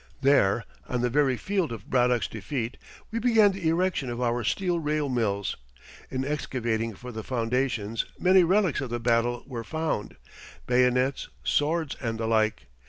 There, on the very field of Braddock's defeat, we began the erection of our steel rail mills. In excavating for the foundations many relics of the battle were found bayonets, swords, and the like.